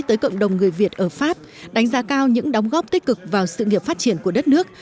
tới cộng đồng người việt ở pháp đánh giá cao những đóng góp tích cực vào sự nghiệp phát triển của đất nước